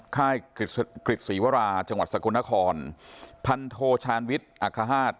ค่ายกฤษกฤษศรีวราจังหวัดสกลนครพันโทชาญวิทย์อัคฮาต